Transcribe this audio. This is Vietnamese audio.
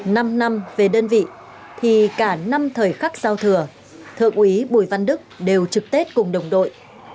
năm năm về đơn vị thì cả năm thời khắc giao thừa thượng quý bùi văn đức đều trực tết cùng đồng đội